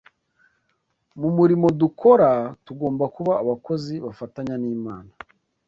Mu murimo dukora, tugomba kuba abakozi bafatanya n’Imana